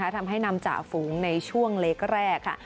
ทำให้นำจ่าฝูงในช่วงเล็กแรกค่ะ